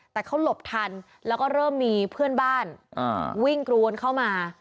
แต่เขาหลบทันแล้วก็เริ่มมีเพื่อนบ้านวิ่งกรวนเข้ามา